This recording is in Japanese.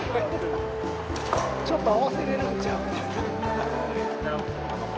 ちょっと合わせられるんちゃう？